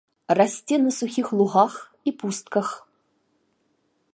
Расце на сухіх лугах і пустках.